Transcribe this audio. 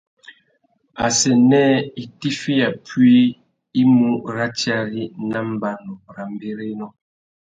Assênē itifiya puï i mú ratiari nà mbanu râ mbérénô.